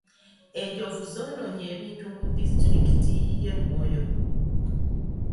Enjovu zoonoonye ebintu mu disitulikiti y'e Moyo.